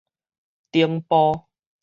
頂埔